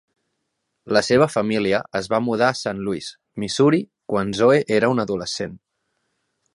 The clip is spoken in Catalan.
La seva família es va mudar a Saint Louis, Missouri, quan Zoe era un adolescent.